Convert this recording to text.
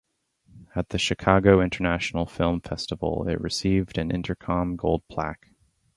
At the Chicago International Film Festival it received an Intercom Gold Plaque.